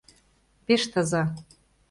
Пеш таза.